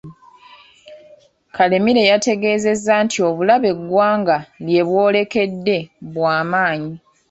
Karemire yategeezezza nti obulabe eggwanga lye bwolekedde bwamaanyi.